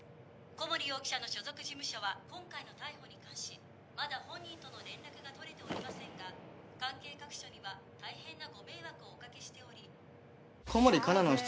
小森容疑者の所属事務所は今回の逮捕に関しまだ本人との連絡が取れておりませんが関係各所には大変なご迷惑をお掛けしており。